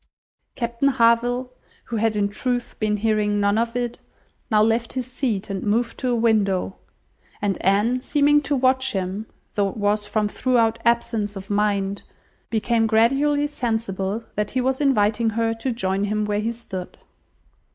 Captain Harville, who had in truth been hearing none of it, now left his seat, and moved to a window, and Anne seeming to watch him, though it was from thorough absence of mind, became gradually sensible that he was inviting her to join him where he stood.